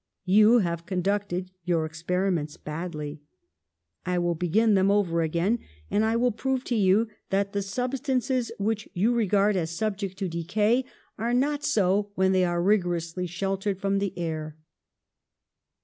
You have conducted your experiments badly ; I will begin them over again, and I will prove to you that the sub stances which you regard as subject to decay 62 PASTEUR are not so when they are rigorously sheltered from the air."